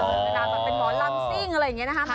เวลาแบบเป็นหมอลำซิ่งอะไรอย่างนี้นะคะ